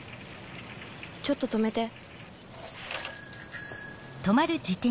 ちょっと止めて。